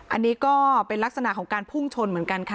อันนี้ก็เป็นลักษณะของการพุ่งชนเหมือนกันค่ะ